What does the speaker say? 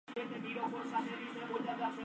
Cualquier cosa puede ocurrir aquí.